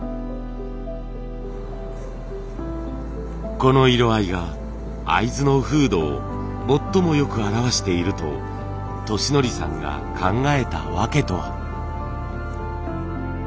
この色合いが会津の風土を最もよく表していると利訓さんが考えた訳とは。